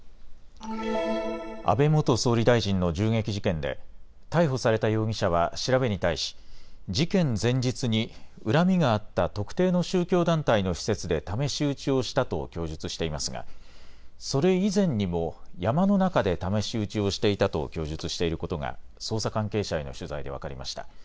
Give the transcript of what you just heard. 安倍元総理大臣の銃撃事件で逮捕された容疑者は調べに対し事件前日に恨みがあった特定の宗教団体の施設で試し撃ちをしたと供述していますが、それ以前にも山の中で試し撃ちをしていたと供述していることが捜査関係者への取材で分かりました。